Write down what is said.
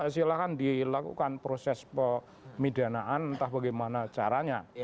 silahkan dilakukan proses pemidanaan entah bagaimana caranya